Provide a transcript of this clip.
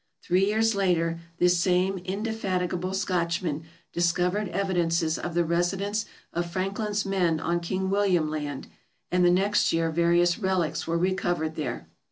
Three years vol. vi. — 30 452 TRAVELERS AND EXPLORERS later this same indefatigable Scotchman discovered evidences of the residence of Franklin's men on King William Land, and the next year various relics were recovered there.